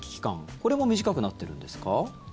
これも短くなっているんですか？